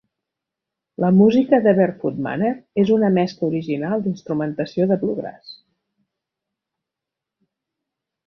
La música de Barefoot Manner és una mescla original d'instrumentació de Bluegrass.